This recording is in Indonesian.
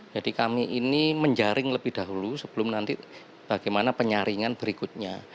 jadi kami ini menjaring lebih dahulu sebelum nanti bagaimana penyaringan berikutnya